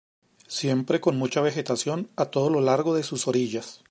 Siempre con mucha vegetación a todo lo largo de sus orillas.